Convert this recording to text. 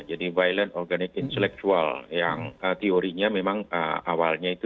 jadi violent organic intellectual yang teorinya memang awalnya itu